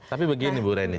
tapi begini bu reni